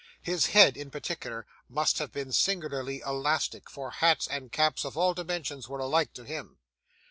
His head, in particular, must have been singularly elastic, for hats and caps of all dimensions were alike to him.